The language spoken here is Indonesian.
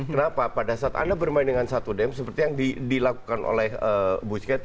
kenapa pada saat anda bermain dengan satu dem seperti yang dilakukan oleh busquets